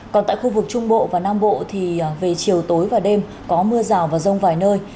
còn tại khu vực trung bộ và nam bộ thì về chiều tối và đêm có mưa rào và rông vài nơi